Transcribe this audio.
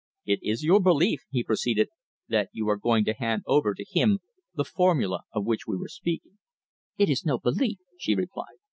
"It is your belief," he proceeded, "that you are going to hand over to him the formula of which we were speaking." "It is no belief," she replied.